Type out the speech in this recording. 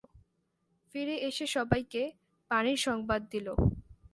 ফিরে এসে সবাইকে পানির সংবাদ দিল।